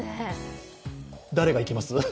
誰が行きます？